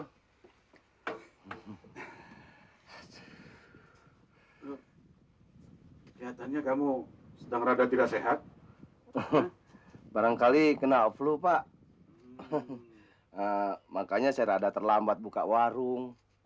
kelihatannya kamu sedang rada tidak sehat barangkali kena flu pak makanya saya rada terlambat buka warung